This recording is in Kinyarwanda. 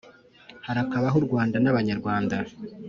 harakabaho u rwanda n’abanyarwanda